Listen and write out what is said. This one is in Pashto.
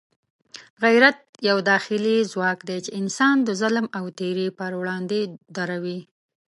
غیرت یو داخلي ځواک دی چې انسان د ظلم او تېري پر وړاندې دروي.